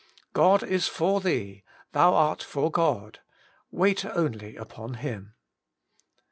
God is for thee, thou art for God ; wait only upon Him.